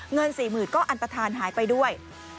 เงิน๔๐๐๐๐ก็อันประทานหายไปด้วย